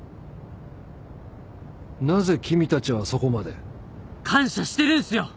なぜ君たちはそこまで？感謝してるんすよ